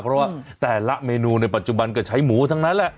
เพราะว่าแต่ละเมนูในปัจจุบันก็ใช้หมูทั้งนั้นแหละ